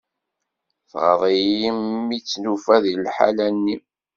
Tɣaḍ-iyi mi tt-nufa di liḥala-nni.